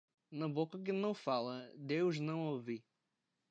Na boca que não fala, Deus não ouve.